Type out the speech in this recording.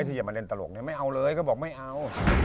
ถ้าอยากมาเล่นตลกไม่เอาเลยก็บอกไม่เอา